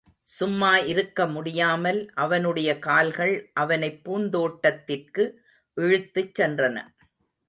சும்மா இருக்க முடியாமல் அவனுடைய கால்கள் அவனைப் பூந்தோட்டத்திற்கு இழுத்துச் சென்றன.